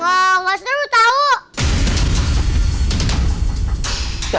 cemerlang nih gak mau keluar